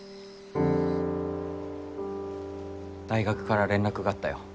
大学から連絡があったよ。